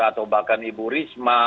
atau bahkan ibu risma